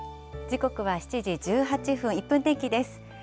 時刻は７時１８分、１分天気です。